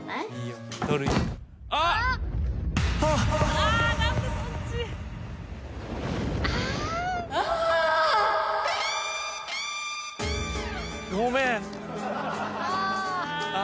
あっごめん。